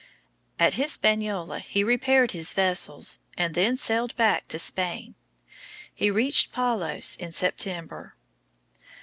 At Hispaniola he repaired his vessels, and then sailed back to Spain. He reached Palos in September.